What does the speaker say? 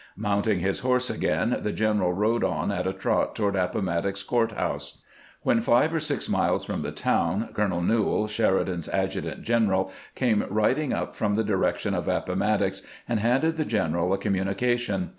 Mounting his horse again, the general rode on at a trot toward Appomattox Court house. When five or six miles from the town, Colonel Newhall, Sheridan's adjutant general, came riding up from the direction of Appomattox, and handed the general a communication.